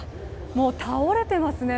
もう倒れてますね